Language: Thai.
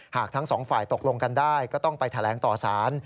หากทั้งสองฝ่ายตกลงกันได้ก็ต้องไปแถลงต่อสาร